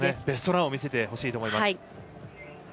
ベストランを見せてほしいと思います。